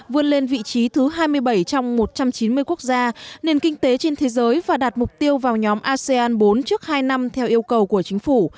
vươn lên vị trí thứ hai mươi bảy trong một trăm chín mươi quốc gia nền kinh tế trên thế giới và đạt mục tiêu vào nhóm asean bốn trước hai năm theo yêu cầu của chính phủ